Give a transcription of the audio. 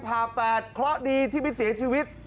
ผ่าแปดเค้าดีที่มีเสียชีวิต